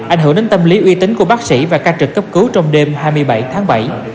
ảnh hưởng đến tâm lý uy tín của bác sĩ và ca trực cấp cứu trong đêm hai mươi bảy tháng bảy